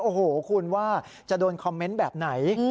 โอ้โหคุณว่าจะโดนคอมเมนต์แบบไหน